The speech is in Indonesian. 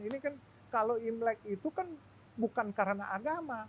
ini kan kalau imlek itu kan bukan karena agama